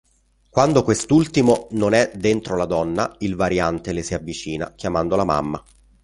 Quando quest'ultimo non è dentro la donna, il Variante le si avvicina chiamandola "mamma".